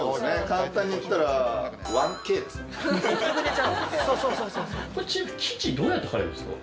簡単に言ったら１Ｋですね